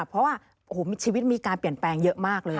เพราะว่าชีวิตมีการเปลี่ยนแปลงเยอะมากเลย